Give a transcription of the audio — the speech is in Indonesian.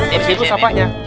bersihin dulu sampahnya